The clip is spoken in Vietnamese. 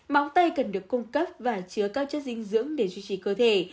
máu tay cần được cung cấp và chứa các chất dinh dưỡng để duy trì cơ thể